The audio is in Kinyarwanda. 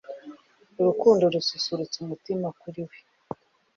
Urukundo rususurutsa umutima kuri we